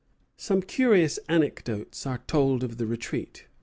Some curious anecdotes are told of the retreat.